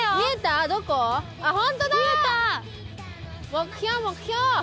目標目標！